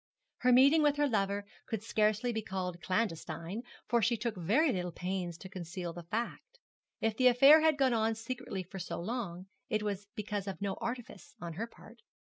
Her meeting with her lover could scarcely be called clandestine, for she took very little pains to conceal the fact. If the affair had gone on secretly for so long, it was because of no artifice on her part.